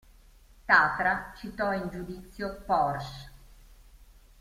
Tatra citò in giudizio Porsche.